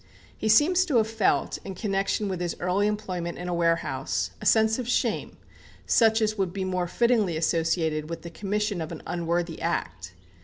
He seems to have felt, in connection with his early employment in a warehouse, a sense of shame such as would be more fittingly associated with the commission of an unworthy act.